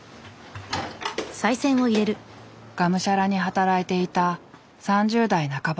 がむしゃらに働いていた３０代半ば。